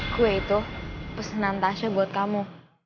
gue itu pesenan tasya buat kamu